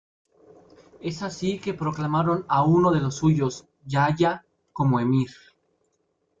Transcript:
Es así que proclamaron a uno de los suyos, Yahya, como emir.